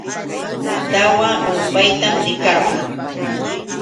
Tawa urpaytam rikarquu.